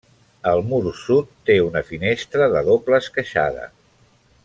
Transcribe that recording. El mur sud té una finestra de doble esqueixada.